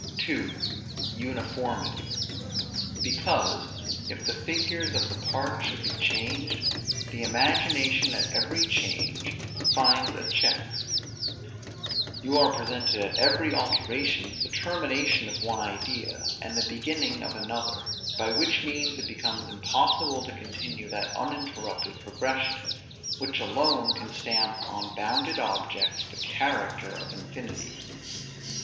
2. Uniformity; because, if the figures of the parts should be changed, the imagination at every change finds a check; you are presented at every alteration with the termination of one idea, and the beginning of another; by which means it becomes impossible to continue that uninterrupted progression, which alone can stamp on bounded objects the character of infinity.